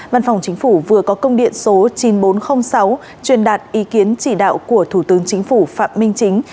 văn phòng chính phủ vừa có công điện số chín nghìn bốn trăm linh sáu truyền đạt ý kiến chỉ đạo của thủ tướng chính phủ phạm minh chính